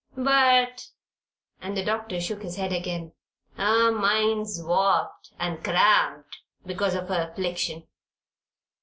But," and the doctor shook his head again, "her mind's warped and cramped because of her affliction."